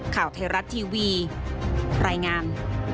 ข่าวไทยรัฐทีวีรายงาน